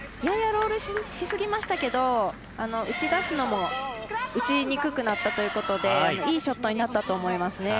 ややロールしすぎましたけど打ち出すのも打ちにくくなったということでいいショットになったと思います。